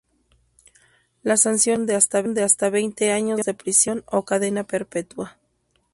Las sanciones fueron de hasta veinte años de prisión o cadena perpetua.